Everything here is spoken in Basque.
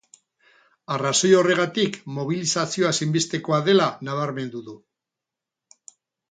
Arrazoi horregatik, mobilizazioa ezinbestekoa dela nabarmendu du.